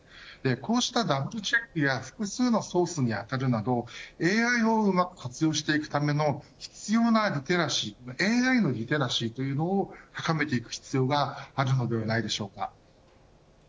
こうしたダブルチェックや複数のソースに当たるなどＡＩをうまく活用していくための必要なリテラシーＡＩのリテラシーというのを高めていく必要があるのではないでしょうか。